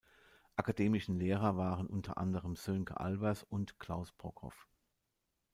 Akademischen Lehrer waren unter anderem Sönke Albers und Klaus Brockhoff.